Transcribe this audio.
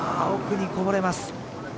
奥にこぼれます。